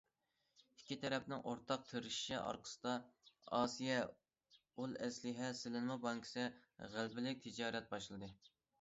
ئىككى تەرەپنىڭ ئورتاق تىرىشىشى ئارقىسىدا ئاسىيا ئۇل ئەسلىھە سېلىنما بانكىسى غەلىبىلىك تىجارەت باشلىدى.